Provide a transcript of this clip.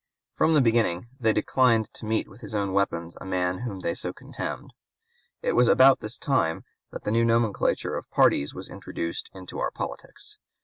From the beginning they declined to meet with his own weapons a man whom they so contemned. It was about this time that a new nomenclature of parties was introduced into our politics.